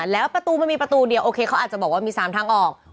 แล้วประตูมันมีประตูเดียวโอเคเขาอาจจะบอกว่ามี๓ทางออก